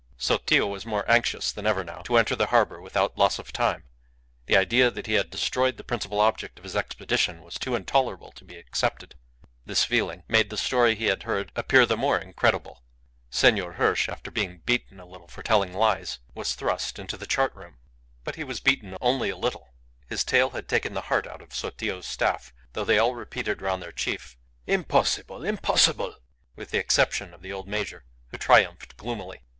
Sotillo was more anxious than ever now to enter the harbour without loss of time; the idea that he had destroyed the principal object of his expedition was too intolerable to be accepted. This feeling made the story he had heard appear the more incredible. Senor Hirsch, after being beaten a little for telling lies, was thrust into the chartroom. But he was beaten only a little. His tale had taken the heart out of Sotillo's Staff, though they all repeated round their chief, "Impossible! impossible!" with the exception of the old major, who triumphed gloomily.